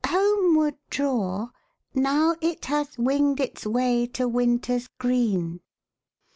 ... homeward draw Now it hath winged its way to winters green.